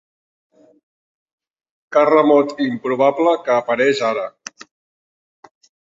Que remot i improbable que apareix ara